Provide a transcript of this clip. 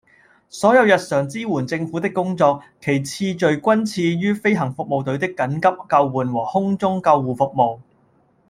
所有日常支援政府的工作，其次序均次於飛行服務隊的緊急救援和空中救護服務